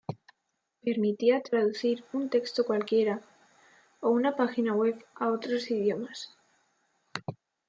Permitía traducir un texto cualquiera o una página web a otros idiomas.